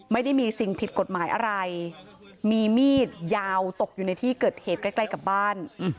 ไม่ได้มีสิ่งผิดกฎหมายอะไรมีมีดยาวตกอยู่ในที่เกิดเหตุใกล้กับบ้าน